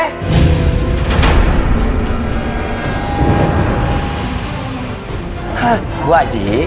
hah bu aji